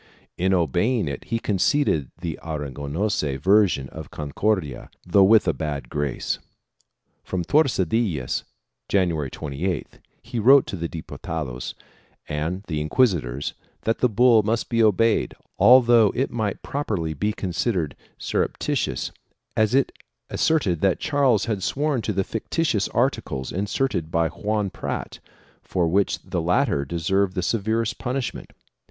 In obeying it, he con ceded the Aragonese version of the Concordia, though with a bad grace. From Tordesillas, January 28th, he wrote to the Dipu tados and the inquisitors that the bull must be obeyed although it might properly be considered surreptitious, as it asserted that Charles had sworn to the fictitious articles inserted by Juan Prat, for which the latter deserved the severest punishment.